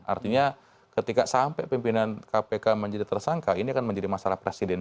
artinya ketika sampai pimpinan kpk menjadi tersangka ini akan menjadi masalah presiden